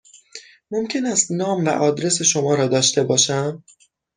ممکن است نام و آدرس شما را داشته باشم؟